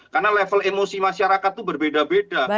karena level emosi masyarakat itu berbeda beda